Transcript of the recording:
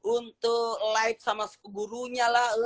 untuk live sama gurunya lah